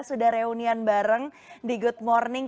sudah reunian bareng di good morning